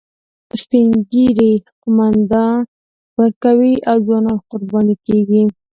سپین ږیري قومانده ورکوي او ځوانان قرباني کیږي